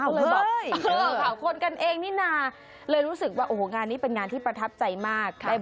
อ้าวเพิ่งบอกฝ่าคนกันเองนี่นาเลยรู้สึกว่าโอ้โหงานนี้เป็นงานที่ประทับใจมาก